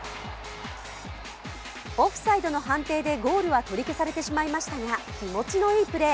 オフサイドの判定でゴールは取り消されてしまいましたが気持のいいプレー。